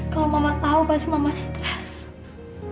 kalau mama tahu pasti mama stres